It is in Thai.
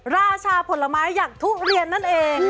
ราชาผลไม้อย่างทุเรียนนั่นเอง